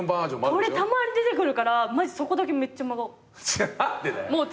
鳥たまに出てくるからマジそこだけめっちゃ真顔。